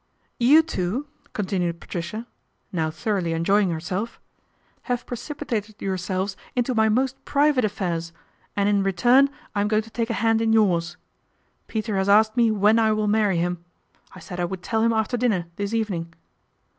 ' You two/' continued Patricia, now thoroughly enjoying herself, " have precipitated yourselves into my most private affairs, and in return I am going to take a hand in yours. Peter has asked me when I will marry him. I said I would tell him after dinner this evening."